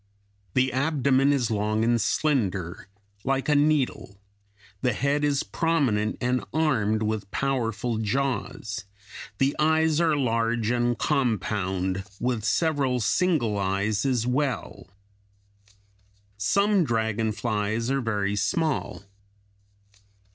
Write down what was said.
The abdomen is long and slender, like a needle; the head is prominent and armed with powerful jaws; the eyes are large and compound, with several single eyes as well. Some dragon flies are very small.